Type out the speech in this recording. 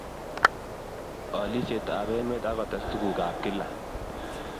Oolisietab emet ak kotes tukukab kiila